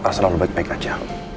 selalu baik baik aja